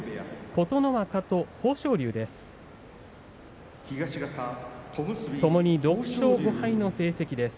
琴ノ若と豊昇龍です。